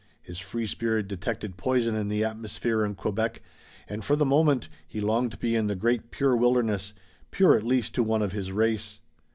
His free spirit detected poison in the atmosphere of Quebec, and, for the moment, he longed to be in the great, pure wilderness, pure at least to one of his race.